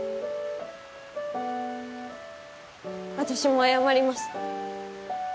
私も謝ります。